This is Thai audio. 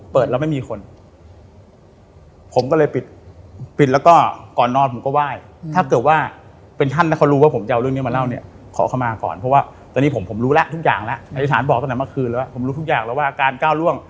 อธิษฐานบอกตั้งแต่เมื่อคืนแล้วว่าผมรู้ทุกอย่างแล้วว่าการก้าวร่วง